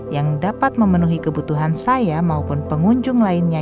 yang dapat memenuhi kebutuhan saya maupun pengunjung lainnya